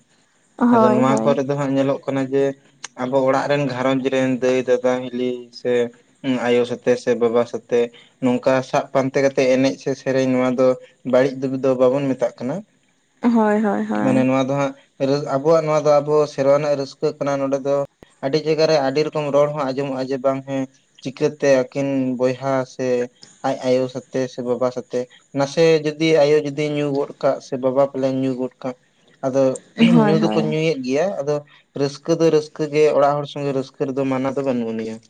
ᱟᱫᱚ ᱦᱳᱭ ᱦᱳᱭ ᱱᱚᱣᱟ ᱠᱚᱨᱮ ᱫᱚ᱾ ᱦᱟᱸᱜ ᱧᱮᱞᱚᱜ ᱠᱟᱱᱟ ᱡᱮ ᱟᱵᱚ ᱚᱲᱟᱜ ᱨᱮᱱ ᱜᱷᱟᱨᱚᱸᱡᱽ ᱨᱮᱱ ᱫᱟᱹᱭ ᱫᱟᱫᱟ ᱦᱤᱞᱤ ᱥᱮ ᱟᱭᱳ ᱥᱟᱛᱮ ᱥᱮ ᱵᱟᱵᱟ ᱥᱟᱛᱮ ᱱᱚᱝᱠᱟ ᱥᱟᱵᱽ ᱯᱟᱱᱛᱮ ᱠᱟᱛᱮᱜ ᱮᱱᱮᱡᱽ ᱥᱮ ᱥᱮᱨᱮᱧ ᱱᱚᱣᱟ ᱫᱚ ᱵᱟᱹᱲᱤᱡ ᱫᱩᱜᱤ ᱫᱚ ᱵᱟᱵᱚᱱ ᱢᱮᱛᱟᱜ ᱠᱟᱱᱟ, ᱦᱳᱭ ᱦᱳᱭ ᱢᱟᱱᱮ ᱦᱳᱭ ᱱᱚᱣᱟ ᱫᱚ ᱦᱟᱸᱜ ᱟᱵᱚᱣᱟᱜ ᱱᱚᱣᱟ ᱫᱚ ᱟᱵᱚ ᱥᱮᱨᱣᱟ ᱨᱮᱱᱟᱜ ᱨᱟᱹᱥᱠᱟᱹᱜ ᱠᱟᱱᱟ ᱱᱚᱰᱮ ᱫᱚ ᱟᱹᱰᱤ ᱡᱟᱭᱜᱟ ᱨᱮ ᱟᱹᱰᱤ ᱨᱚᱠᱚᱢ ᱨᱚᱲ ᱦᱚᱸ ᱟᱸᱡᱚᱢᱚᱜ-ᱟ ᱡᱮ, ᱵᱟᱝ ᱦᱮᱸ ᱪᱤᱠᱟᱹᱛᱮ ᱟᱹᱠᱤᱱ ᱵᱚᱭᱦᱟ ᱥᱮ ᱟᱡ ᱟᱭᱳ ᱥᱟᱛᱮ ᱥᱮ ᱵᱟᱵᱟ ᱥᱟᱛᱮ ᱱᱟᱥᱮ ᱡᱩᱫᱤ ᱟᱭᱳ ᱡᱩᱫᱤ ᱧᱩ ᱜᱚᱫ ᱠᱟᱜ ᱥᱮ ᱵᱟᱵᱟ ᱯᱟᱞᱮ ᱧᱩ ᱜᱚᱫ ᱠᱟᱜ ᱟᱫᱚ ᱦᱳᱭ ᱧᱩ ᱦᱳᱭ ᱫᱚᱠᱚ ᱦᱳᱭ ᱧᱩᱭᱮᱫ ᱜᱮᱭᱟ, ᱟᱫᱚ ᱨᱟᱹᱥᱠᱟᱹ ᱫᱚ ᱨᱟᱹᱥᱠᱟᱹ ᱜᱮ ᱚᱲᱟᱜ ᱦᱚᱲ ᱥᱚᱸᱜᱮ ᱨᱟᱹᱥᱠᱟᱹ ᱨᱮᱫᱚ ᱢᱟᱱᱟ ᱫᱚ ᱵᱟᱹᱱᱩᱜ‌ ᱟᱱᱤᱡ-ᱟ ᱾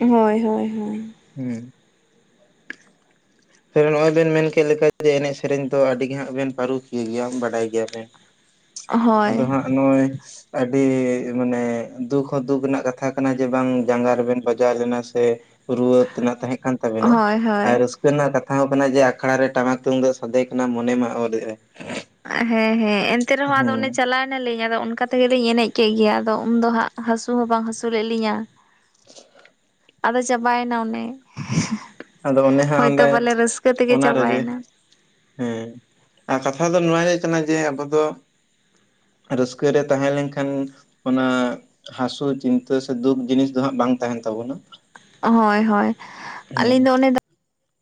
ᱦᱳᱭ ᱦᱳᱭ ᱦᱳᱭ᱾ ᱦᱩᱸ᱾ ᱥᱮ ᱱᱚᱜᱼᱚᱭ ᱵᱮᱱ ᱢᱮᱱ ᱠᱮᱫ ᱞᱮᱠᱟ ᱡᱮ, ᱮᱱᱮᱡ ᱥᱮᱨᱮᱧ ᱫᱚ ᱟᱹᱰᱤ ᱜᱮ ᱦᱟᱸᱜ ᱵᱮᱱ ᱯᱟᱹᱨᱩᱠᱷᱤᱭᱟᱹ ᱜᱮᱭᱟ ᱵᱟᱰᱟᱭ ᱜᱮᱭᱟ ᱵᱮᱱ ᱾ ᱟᱫᱚ ᱦᱳᱭ ᱦᱟᱸᱜ ᱱᱚᱜ-ᱚᱭ ᱟᱹᱰᱤ ᱢᱟᱱᱮ ᱫᱩᱠ ᱦᱚᱸ ᱫᱩᱠ ᱨᱮᱱᱟᱜ ᱠᱟᱛᱷᱟ ᱠᱟᱱᱟ ᱡᱮ ᱵᱟᱝ ᱡᱟᱸᱜᱟ ᱨᱮ ᱵᱮᱱ ᱵᱟᱡᱟᱣ ᱞᱮᱱᱟ ᱥᱮ ᱨᱩᱣᱟᱹ ᱛᱮᱱᱟᱜ ᱛᱟᱦᱮᱸ ᱠᱟᱱ ᱛᱟᱵᱮᱱᱟ ᱾ ᱦᱳᱭ ᱦᱳᱭ᱾ ᱟᱨ ᱨᱟᱹᱥᱠᱟᱹ ᱨᱮᱱᱟᱜ ᱠᱟᱛᱷᱟ ᱦᱚᱸ ᱠᱟᱱᱟ ᱡᱮ, ᱟᱠᱷᱲᱟ ᱨᱮ ᱴᱟᱢᱟᱠ ᱛᱩᱢᱫᱟᱜ ᱥᱟᱫᱮ ᱠᱟᱱᱟ ᱢᱚᱱᱮ ᱢᱟ ᱚᱨ ᱮᱜ ᱟᱭ ᱾ ᱦᱮᱸ ᱦᱮᱸ, ᱮᱱᱛᱮ ᱨᱮᱦᱚᱸ ᱟᱫᱚ ᱚᱱᱮ ᱪᱟᱞᱟᱠ ᱱᱟᱞᱤᱧ ᱟᱫᱚ ᱚᱱᱠᱟ ᱛᱮᱜᱮ ᱞᱤᱧ ᱮᱱᱮᱡ ᱠᱮᱫ ᱜᱮᱭᱟ, ᱟᱫᱚ ᱩᱱᱫᱚ ᱦᱟᱸᱜ ᱦᱟᱹᱥᱩ ᱦᱚᱸ ᱵᱟᱝ ᱦᱟᱹᱥᱩ ᱞᱮᱜ‌ ᱞᱤᱧᱟᱹ ᱾ ᱟᱫᱚ ᱪᱟᱵᱟᱭᱮᱱᱟ ᱚᱱᱮ ᱾ ᱟᱫᱚ ᱚᱱᱮ ᱦᱟᱸᱜ ᱚᱸᱰᱮ ᱚᱱᱟ ᱨᱮᱜᱮ ᱪᱟᱵᱟᱭᱮᱱᱟ ᱦᱮᱸ, ᱟᱨ ᱠᱟᱛᱷᱟ ᱫᱚ ᱱᱚᱣᱟ‌ ᱜᱮ ᱠᱟᱱᱟ ᱡᱮ ᱟᱵᱚ ᱫᱚ ᱨᱟᱹᱥᱠᱟᱹ ᱨᱮ ᱛᱟᱦᱮᱸ ᱞᱮᱱ ᱠᱷᱟᱱ ᱚᱱᱟ ᱦᱟᱹᱥᱩ, ᱪᱤᱱᱛᱟᱹ ᱥᱮ ᱫᱩᱠ ᱡᱤᱱᱤᱥ ᱫᱚ ᱦᱟᱸᱜ ᱵᱟᱝ ᱛᱟᱦᱮᱱ ᱛᱟᱵᱚᱱᱟ ᱾ ᱦᱳᱭ ᱦᱳᱭ ᱾ ᱟᱹᱞᱤᱧ ᱫᱚ ᱚᱱᱮ ᱫᱚ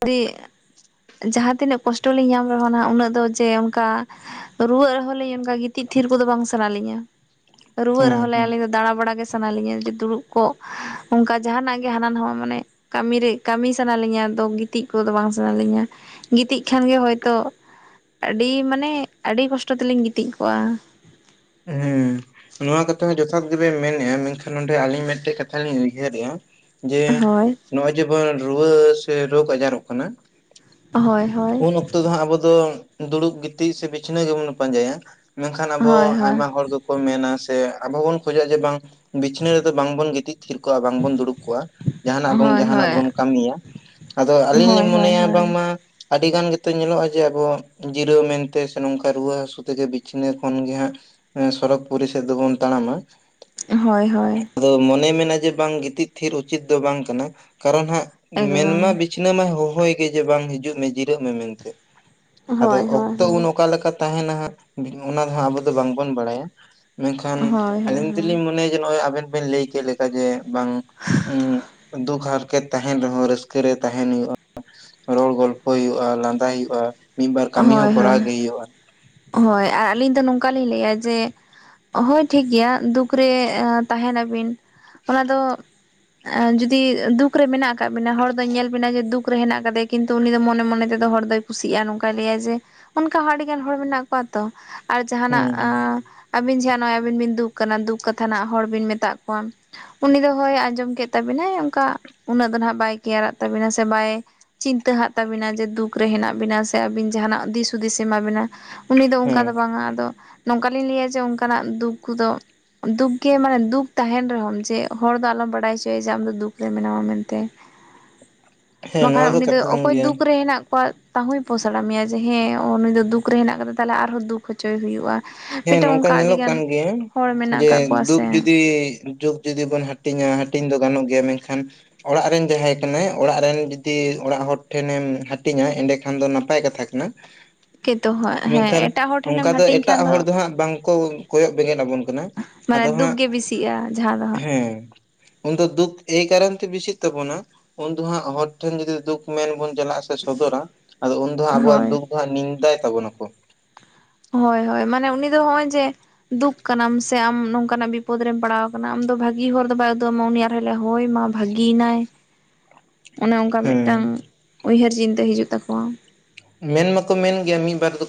ᱟᱹᱰᱤ ᱡᱟᱦᱟᱸ ᱛᱤᱱᱟᱹᱜ ᱠᱚᱥᱴᱚ ᱞᱤᱧ ᱧᱟᱢ ᱨᱮᱦᱚᱸ ᱟᱜ ᱩᱱᱟᱹᱜ ᱫᱚ ᱡᱮ ᱚᱱᱠᱟ ᱨᱩᱣᱟᱹᱜ ᱨᱮᱦᱚᱸ ᱞᱤᱧ ᱚᱱᱠᱟ ᱜᱤᱛᱤᱡ ᱛᱷᱤᱨ ᱠᱚᱫᱚ ᱵᱟᱝ ᱥᱟᱱᱟ ᱞᱤᱧᱟ ᱾ ᱨᱩᱣᱟᱹᱜ ᱦᱮᱸ ᱨᱮᱦᱚᱸ ᱞᱮ ᱦᱮᱸ ᱟᱞᱮ ᱫᱚ ᱫᱟᱬᱟ ᱵᱟᱲᱟ ᱜᱮ ᱥᱟᱱᱟ ᱞᱤᱧᱟ ᱡᱮ ᱫᱩᱲᱩᱵ ᱠᱚᱜ, ᱚᱱᱠᱟ ᱡᱟᱦᱟᱸᱱᱟᱜ ᱜᱮ ᱦᱟᱱᱟ ᱱᱟᱣᱟ ᱢᱟᱱᱮ ᱠᱟᱹᱢᱤ ᱨᱮ ᱠᱟᱹᱢᱤ ᱥᱟᱱᱟ ᱞᱤᱧᱟ ᱟᱫᱚ ᱜᱤᱛᱤᱡ ᱠᱚᱜ ᱫᱚ ᱵᱟᱝ ᱥᱟᱱᱟ ᱞᱤᱧᱟ, ᱜᱤᱛᱤᱡ ᱠᱷᱟᱱ ᱜᱮ ᱦᱚᱭᱛᱳ ᱟᱹᱰᱤ ᱢᱟᱱᱮ ᱟᱹᱰᱤ ᱠᱚᱥᱴᱚ ᱛᱮᱞᱤᱧ ᱜᱤᱛᱤᱡ ᱠᱚᱜ-ᱟ ᱾ ᱦᱮᱸ ᱱᱚᱣᱟ ᱠᱟᱛᱷᱟ ᱦᱚᱸ ᱡᱚᱛᱷᱟᱛ ᱜᱮᱵᱮᱱ ᱢᱮᱱᱮᱫ-ᱟ, ᱢᱮᱱᱠᱷᱟᱱ ᱱᱚᱸᱰᱮ ᱟᱹᱞᱤᱧ ᱢᱤᱫᱴᱮᱡ ᱠᱟᱛᱷᱟ ᱞᱤᱧ ᱩᱭᱦᱟᱹᱨᱮᱜ-ᱟ ᱾ ᱡᱮ ᱦᱳᱭ ᱱᱚᱜ-ᱚᱭ ᱡᱮᱢᱚᱱ ᱨᱩᱣᱟᱹ ᱥᱮ ᱨᱳᱜᱽ ᱟᱡᱟᱨᱚᱜ ᱠᱟᱱᱟ ᱦᱳᱭ ᱦᱳᱭ ᱩᱱ ᱚᱠᱛᱚ ᱫᱚ ᱦᱟᱸᱜ ᱟᱵᱚ ᱫᱚ ᱫᱩᱲᱩᱵ ᱜᱤᱛᱤᱡ ᱥᱮ ᱵᱤᱪᱷᱱᱟᱹ ᱜᱮᱵᱚᱱ ᱯᱟᱸᱡᱟᱭᱟ ᱾ ᱢᱮᱱᱠᱷᱟᱱ ᱟᱵᱚ ᱦᱳᱭ ᱦᱳᱭ ᱟᱭᱢᱟ ᱦᱚᱲ ᱜᱮ ᱠᱚ ᱢᱮᱱᱟ ᱥᱮ ᱟᱵᱚ ᱵᱚᱱ ᱠᱷᱚᱡᱚᱜ-ᱟ ᱡᱮ ᱵᱟᱝ ᱵᱤᱪᱷᱱᱟᱹ ᱨᱮᱫᱚ ᱵᱟᱝ ᱵᱚᱱ ᱜᱤᱛᱤᱡ ᱛᱷᱤᱨ ᱠᱚᱜᱼᱟ ᱵᱟᱝ ᱵᱚᱱ ᱫᱩᱲᱩᱵ ᱠᱚᱜᱼᱟ ᱾ ᱡᱟᱦᱟᱸᱱᱟᱜ ᱵᱚᱱ ᱦᱳᱭ ᱡᱟᱦᱟᱸᱱᱟᱜ ᱦᱳᱭ ᱵᱚᱱ ᱠᱟᱹᱢᱤᱭᱟ, ᱟᱫᱚ ᱟᱹᱞᱤᱧ ᱞᱤᱧ ᱦᱳᱭ ᱦᱳᱭ ᱢᱚᱱᱮᱭᱟ ᱦᱳᱭ ᱵᱟᱝ ᱢᱟ ᱟᱹᱰᱤ ᱜᱟᱱ ᱜᱮᱛᱚ ᱧᱮᱞᱚᱜᱼᱟ ᱡᱮ, ᱟᱵᱚ ᱡᱤᱨᱟᱹᱣ ᱢᱮᱱᱛᱮ ᱥᱮ ᱱᱚᱝᱠᱟ ᱨᱩᱣᱟᱹ ᱦᱟᱹᱥᱩ ᱛᱮᱜᱮ ᱵᱤᱪᱷᱱᱟᱹ ᱠᱷᱚᱱ ᱜᱮ ᱦᱟᱸᱜ ᱥᱚᱨᱚᱜ ᱯᱚᱨᱤ ᱥᱮᱫ ᱫᱚ ᱵᱚᱱ ᱛᱟᱲᱟᱢ ᱟ ᱾ ᱦᱳᱭ ᱦᱳᱭ᱾ ᱟᱫᱚ ᱢᱚᱱᱮᱭ ᱢᱮᱱᱟ ᱡᱮ ᱵᱟᱝ ᱜᱤᱛᱤᱡ ᱛᱷᱤᱨ ᱩᱪᱤᱛ ᱫᱚ ᱵᱟᱝ ᱠᱟᱱᱟ, ᱠᱟᱨᱚᱱ ᱦᱟᱸᱜ ᱮᱠᱫᱚᱢ ᱢᱮᱱᱢᱟ ᱵᱤᱪᱷᱱᱟᱹ ᱢᱟᱭ ᱦᱚᱦᱚᱭ ᱜᱮ ᱡᱮ, ᱵᱟᱝ ᱦᱤᱡᱩᱜ ᱢᱮ ᱡᱤᱨᱟᱹᱜ ᱢᱮ ᱢᱮᱱᱛᱮ᱾ ᱟᱫᱚ ᱦᱳᱭ ᱦᱳᱭ ᱚᱠᱛᱚ ᱦᱳᱭ ᱩᱱ ᱚᱠᱟᱞᱮᱠᱟ ᱛᱟᱦᱮᱱᱟ ᱦᱟᱸᱜ ᱚᱱᱟ ᱫᱚ ᱦᱟᱸᱜ, ᱟᱵᱚ ᱫᱚ ᱵᱟᱝ ᱵᱚᱱ ᱵᱟᱲᱟᱭᱟ ᱾ ᱢᱮᱱᱠᱷᱟᱱ ᱦᱳᱭ ᱦᱳᱭ ᱟᱹᱞᱤᱧ ᱦᱳᱭ ᱫᱚᱞᱤᱧ ᱢᱚᱱᱮᱭᱟ ᱡᱮ, ᱱᱚᱜᱼᱚᱭ ᱟᱵᱮᱱ ᱵᱮᱱ ᱞᱟᱹᱭ ᱠᱮᱫ ᱞᱮᱠᱟ ᱠᱟᱡᱮ ᱵᱟᱝ ᱩᱸ ᱫᱩᱠ ᱦᱟᱨᱠᱮᱛ ᱛᱟᱦᱮᱱ ᱨᱮᱦᱚᱸ ᱨᱟᱹᱥᱠᱟᱹ ᱨᱮ ᱛᱟᱦᱮᱱ ᱦᱩᱭᱩᱜ-ᱟ ᱨᱚᱲ ᱜᱚᱞᱯᱷᱚ ᱦᱩᱭᱩᱜ-ᱟ ᱞᱟᱸᱫᱟ ᱦᱩᱭᱩᱜ-ᱟ᱾ ᱦᱳᱭ ᱦᱳᱭ ᱦᱳᱭ ᱟᱨ ᱟᱹᱞᱤᱧ ᱫᱚ ᱱᱚᱝᱠᱟ ᱞᱤᱧ ᱞᱟᱹᱭᱟ ᱡᱮ ᱦᱳᱭ ᱴᱷᱤᱠᱜᱮᱭᱟ ᱫᱩᱠ ᱩᱠ ᱨᱮ ᱛᱟᱦᱮᱱᱟᱵᱤᱱ ᱚᱱᱟ ᱫᱚ ᱮ ᱡᱩᱫᱤ ᱫᱩᱠ ᱨᱮ ᱢᱮᱱᱟᱜ ᱟᱠᱟᱫ ᱵᱤᱱᱟ ᱦᱚᱲ ᱫᱚᱧ ᱧᱮᱞ ᱵᱤᱱᱟ ᱡᱮ ᱫᱩᱠ ᱨᱮ ᱦᱮᱱᱟᱜ ᱠᱟᱫᱤᱭᱟ ᱠᱤᱱᱛᱩ ᱛᱩ ᱩᱱᱤ ᱫᱚ ᱢᱚᱱᱮ ᱢᱚᱱᱮ ᱛᱮᱫᱚ ᱦᱚᱲ ᱫᱚᱭ ᱠᱩᱥᱤᱜ-ᱟ ᱱᱚᱝᱠᱟᱭ ᱞᱟᱹᱭᱟ ᱡᱮ ᱚᱱᱠᱟ ᱟᱹᱰᱤᱜᱟᱱ ᱦᱚᱲ ᱢᱮᱱᱟᱜ ᱠᱚᱣᱟ ᱛᱚ ᱟᱨ ᱡᱟᱦᱟᱱᱟᱜ ᱦᱩᱸ ᱟ ᱦᱩᱸ ᱟᱹᱵᱤᱱ ᱡᱟᱦᱟ ᱱᱚᱜᱚᱭ ᱟᱵᱤᱱ ᱵᱤᱱ ᱫᱩᱠ ᱠᱟᱱᱟ ᱫᱩᱠ ᱠᱟᱛᱷᱟ ᱱᱟᱜ ᱦᱚᱲ ᱵᱤᱱ ᱢᱮᱛᱟᱜ ᱠᱚᱣᱟᱢ ᱩᱱᱤ ᱫᱚ ᱦᱳᱭ ᱟᱸᱡᱚᱢ ᱠᱮᱫ ᱛᱟᱵᱤᱱᱟᱭ ᱚᱱᱠᱟ ᱩᱱᱟᱹᱜ ᱫᱚ ᱦᱟᱸᱜ ᱵᱟᱭ ᱠᱮᱭᱟᱨᱟᱜ ᱛᱟᱵᱤᱱᱟ ᱥᱮ ᱵᱟᱭ ᱪᱤᱱᱛᱟᱹ ᱦᱟᱜ ᱛᱟᱵᱤᱱᱟ ᱡᱮ ᱫᱩᱠ ᱨᱮ ᱦᱮᱱᱟᱜ ᱵᱤᱱᱟ ᱥᱮ ᱟᱵᱤᱱ ᱡᱟᱦᱟᱱᱟᱜ ᱫᱤᱥ ᱦᱩᱫᱤᱥᱮ ᱮᱢᱟ ᱵᱤᱱᱟ ᱩᱱᱤ ᱫᱚ ᱩᱱᱠᱟ ᱦᱮᱸ ᱫᱚ ᱵᱟᱝᱟ ᱟᱫᱚ ᱱᱚᱝᱠᱟᱞᱤᱧ ᱞᱟᱹᱭᱟ ᱡᱮ ᱚᱱᱠᱟᱱᱟᱜ ᱫᱩᱠ ᱠᱩᱫᱚ ᱫᱩᱠ ᱜᱮ ᱢᱟᱱᱮ ᱫᱩᱠ ᱛᱟᱦᱮᱱ ᱨᱮᱦᱚᱸᱢ ᱡᱮ ᱦᱚᱲ ᱫᱚ ᱟᱞᱚᱢ ᱵᱟᱲᱟᱭ ᱦᱚᱪᱚᱭᱮᱭᱟ ᱡᱮ ᱟᱢ ᱫᱚ ᱫᱩᱠ ᱨᱮ ᱢᱮᱱᱟᱢᱟ ᱢᱮᱱᱛᱮ [unintelligible] ᱦᱮᱸ ᱵᱟᱠᱷᱟᱡ ᱱᱚᱣᱟ ᱩᱱᱤ ᱫᱚ ᱠᱟᱛᱷᱟ ᱠᱟᱱ ᱚᱠᱚᱭ ᱜᱮᱭᱟ ᱫᱩᱠ ᱨᱮ ᱦᱮᱱᱟᱜ ᱠᱚᱣᱟ ᱛᱟᱦᱚᱭ ᱯᱚᱥᱚᱲᱟ ᱢᱮᱭᱟ ᱡᱮ ᱦᱮᱸ ᱩᱱᱤ ᱫᱚ ᱫᱩᱠ ᱨᱮ ᱦᱮᱱᱟᱜ ᱠᱟᱫᱟ ᱛᱟᱦᱚᱞ ᱟᱨᱦᱚᱸ ᱫᱩᱠ ᱦᱚᱪᱚᱭᱮ ᱦᱩᱭᱩᱜ-ᱟ ᱦᱮᱸ ᱱᱚᱝᱠᱟ ᱧᱮᱞᱚᱜ ᱠᱟᱱ ᱜᱮᱭᱟ ᱢᱮᱱᱟᱜ ᱡᱮ ᱟᱠᱟᱫ ᱠᱚᱣᱟ ᱫᱩᱠ ᱥᱮ ᱡᱩᱫᱤ ᱡᱩᱠ ᱡᱩᱫᱤ ᱵᱚᱱ ᱦᱟᱹᱴᱤᱧᱟ ᱦᱟᱹᱴᱤᱧ ᱫᱚ ᱜᱟᱱᱚᱜ ᱜᱮᱭᱟ ᱢᱮᱱᱠᱷᱟᱱ ᱚᱲᱟᱜ ᱨᱮᱱ ᱡᱟᱦᱟᱸᱭ ᱠᱟᱱᱟᱭ ᱚᱲᱟᱜ ᱨᱮᱱ ᱡᱩᱫᱤ ᱚᱲᱟᱜ ᱦᱚᱲ ᱴᱷᱮᱱᱮᱢ ᱦᱟᱹᱴᱤᱧᱟ ᱮᱸᱰᱮᱠᱷᱟᱱ ᱫᱚ ᱱᱟᱯᱟᱭ ᱠᱟᱛᱷᱟ ᱠᱟᱱᱟ ᱠᱤᱫᱛᱩ ᱦᱮᱸ ᱮᱴᱟᱜ ᱦᱚᱲ ᱴᱷᱮᱱᱮᱢ ᱦᱟᱹᱴᱤᱧ ᱠᱷᱟᱱ ᱫᱚ ᱵᱟᱝ ᱠᱚ ᱠᱚᱭᱚᱜ ᱵᱮᱸᱜᱮᱫ ᱟᱵᱚᱱ ᱠᱟᱱᱟ ᱟᱫᱚ ᱢᱟᱱᱮ ᱫᱩᱠ ᱦᱟᱸᱜ ᱜᱮ ᱵᱮᱥᱤᱜᱼᱟ ᱡᱟᱦᱟᱸ ᱫᱚ ᱦᱟᱸᱜ ᱦᱮᱸ ᱩᱱᱫᱚ ᱫᱩᱠ ᱮᱭ ᱠᱟᱨᱚᱱ ᱛᱮ ᱵᱮᱥᱤᱜ ᱛᱟᱵᱚᱱᱟ ᱩᱱᱫᱚ ᱦᱟᱸᱜ ᱦᱚᱲ ᱴᱷᱮᱱ ᱡᱩᱫᱤ ᱫᱩᱠ ᱢᱮᱱ ᱵᱚᱱ ᱪᱟᱞᱟᱜ-ᱟ ᱥᱮ ᱥᱚᱫᱚᱨᱟ ᱟᱫᱚ ᱩᱱ ᱫᱚ ᱟᱵᱚᱣᱟᱜ ᱦᱳᱭ ᱫᱩᱠ ᱫᱚ ᱦᱟᱸᱜ ᱱᱤᱱᱫᱟᱭ ᱛᱟᱵᱚᱱᱟᱠᱚ ᱦᱳᱭ ᱦᱳᱭ ᱢᱟᱱᱮ ᱩᱱᱤ ᱫᱚ ᱦᱚᱜ-ᱚᱭ ᱡᱮ ᱫᱩᱠ ᱠᱟᱱᱟᱢ ᱥᱮ ᱟᱢ ᱱᱚᱝᱠᱟᱱᱟᱜ ᱵᱤᱯᱚᱫ ᱨᱮᱢ ᱯᱟᱲᱟᱣ ᱟᱠᱟᱱᱟ ᱟᱢ ᱫᱚ ᱵᱷᱟᱹᱜᱤ ᱦᱚᱨ ᱫᱚ ᱵᱟᱭ ᱩᱫᱩᱜ ᱟᱢᱟ ᱩᱱᱤ ᱟᱨ ᱦᱚᱸ ᱦᱚᱭ ᱢᱟ ᱵᱷᱟᱹᱜᱤᱭ ᱱᱟᱭ ᱚᱱᱮ ᱚᱱᱠᱟ ᱦᱮᱸ ᱢᱤᱫᱴᱟᱝ ᱩᱭᱦᱟᱹᱨ ᱪᱤᱱᱛᱟᱹ ᱦᱤᱡᱩᱜ ᱛᱟᱠᱚᱣᱟ ᱢᱮᱱ ᱢᱟᱠᱚ ᱢᱮᱱ ᱜᱮᱭᱟ ᱢᱤᱫ ᱵᱟᱨ ᱫᱚᱠᱚ